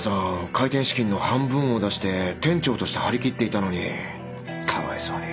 開店資金の半分を出して店長として張り切っていたのにかわいそうに。